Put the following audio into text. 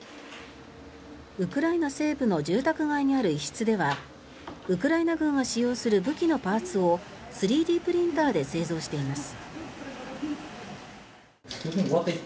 ウクライナ西部の住宅街にある一室ではウクライナ軍が使用する武器のパーツを３Ｄプリンターで製造しています。